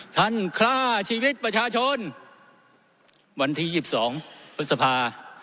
ฆ่าชีวิตประชาชนวันที่๒๒พฤษภา